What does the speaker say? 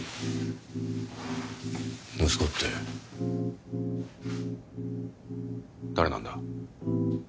息子って誰なんだ？